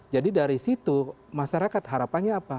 jadi dari situ masyarakat harapannya apa